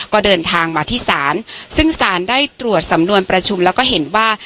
ก็เดินทางมาที่ศาลซึ่งศาลได้ตรวจสำนวนประชุมแล้วก็เห็นว่า